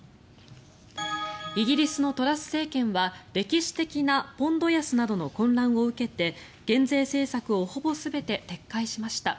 イギリスのトラス政権は歴史的なポンド安などの混乱を受けて減税政策をほぼ全て撤回しました。